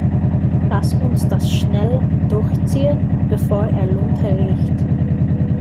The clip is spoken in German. Lass uns das schnell durchziehen, bevor er Lunte riecht.